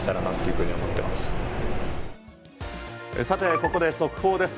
ここで速報です。